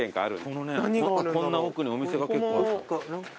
このねこんな奥にお店が結構。